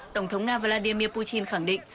tổng thống nga vladimir putin khẳng định